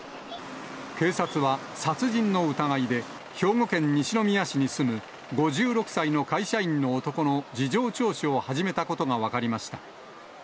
警察は殺人の疑いで、兵庫県西宮市に住む５６歳の会社員の男の事情聴取を始めたことが分かりました。